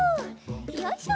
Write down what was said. よいしょ。